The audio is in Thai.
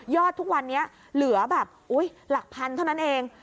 ทุกวันนี้เหลือแบบหลักพันเท่านั้นเอง